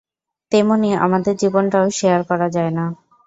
তেমনই, আমাদের জীবনটাও শেয়ার করা যায় না?